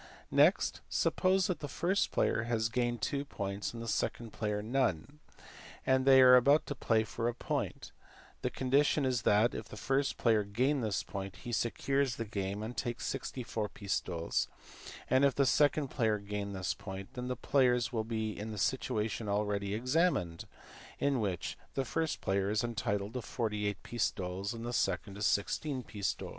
Next, suppose that the first player has gained two points and the second player none, and that they are about to play for a point; the condition then is that, if the first player gain this point, he secures the game and takes the 64 pistoles, and, if the second player gain this point, then the players will be in the situation already examined, in which the first player is entitled to 48 pistoles and the second to 16 pistoles. PASCAL.